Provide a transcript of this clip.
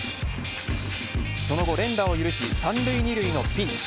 その後連打を許し三塁二塁のピンチ。